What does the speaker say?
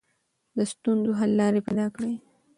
د ستونزو حل لارې پیدا کړئ.